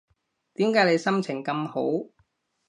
點解你心情咁好